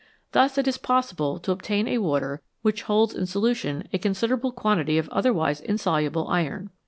Thus it is possible to obtain a water which holds in solution a considerable quantity of other wise insoluble iron.